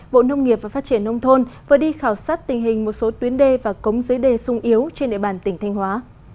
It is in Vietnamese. bộ nông nghiệp và phát triển nông thôn vừa đi khảo sát tình hình một số tuyến đê và cống dưới đê sung yếu trên địa bàn tỉnh thanh hóa